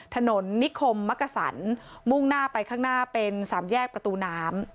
ถนนนิคมมักกษันมุ่งหน้าไปข้างหน้าเป็นสามแยกประตูน้ำ